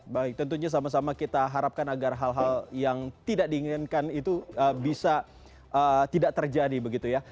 baik tentunya sama sama kita harapkan agar hal hal yang tidak diinginkan itu bisa tidak terjadi begitu ya